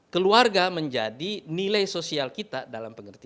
keluarga menjadi nilai sosial kita dalam penggunaan kita